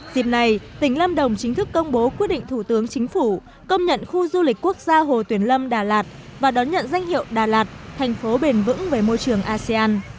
dịp này tỉnh lâm đồng chính thức công bố quyết định thủ tướng chính phủ công nhận khu du lịch quốc gia hồ tuyển lâm đà lạt và đón nhận danh hiệu đà lạt thành phố bền vững về môi trường asean